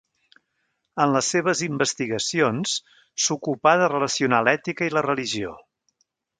En les seves investigacions s'ocupà de relacionar l'ètica i la religió.